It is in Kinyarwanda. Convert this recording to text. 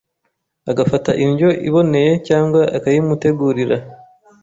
agafata indyo iboneye cyangwa akayimutegurira